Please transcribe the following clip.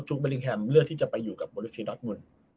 จู๊ดเบอร์ริงแฮมเลือกที่จะไปอยู่กับโบริษีดอทมุน